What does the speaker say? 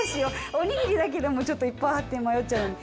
おにぎりだけでもちょっといっぱいあって迷っちゃうのに。